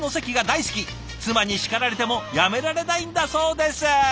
妻に叱られてもやめられないんだそうです！